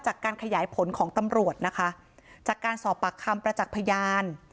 จากการขยายผลของตำรวจนะคะจากการสอบปากคำประจักษ์พยาน